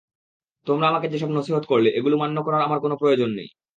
তোমরা আমাকে যেসব নসীহত করলে এগুলো মান্য করার আমার কোন প্রয়োজন নেই।